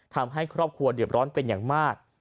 ทำให้ครอบครัวเดือดร้อนเป็นอย่างมาก